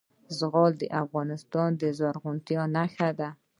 زغال د افغانستان د زرغونتیا نښه ده.